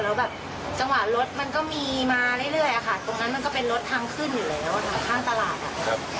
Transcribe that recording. แล้วแบบจังหวะรถมันก็มีมาเรื่อยอะค่ะตรงนั้นมันก็เป็นรถทางขึ้นอยู่แล้วทางข้างตลาดอ่ะครับ